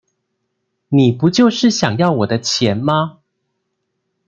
你不就是想要我的錢嗎?